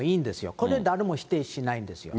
これ、誰も否定しないんですよ。